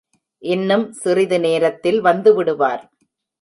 இன்னும் சிறிது நேரத்தில் வந்துவிடுவார்.